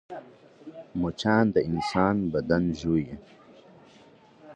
مچان د انسان بدن ژوي